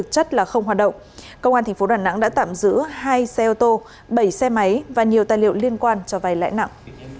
công an tp đà nẵng đã tạm giữ hai xe ô tô bảy xe máy và nhiều tài liệu liên quan cho vay lãi nặng